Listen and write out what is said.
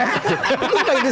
itu bukan inisial